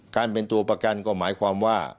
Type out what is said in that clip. การเป็นตัวประกันก็หมายความว่า